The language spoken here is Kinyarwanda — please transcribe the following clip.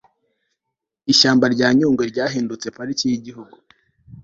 ishyamba rya nyungwe ryahindutse pariki y'igihugu